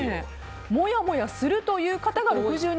もやもやするという方が６２％。